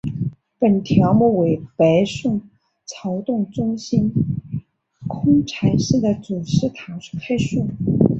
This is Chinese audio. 本条目为北宋曹洞宗心空禅师的祖师塔概述。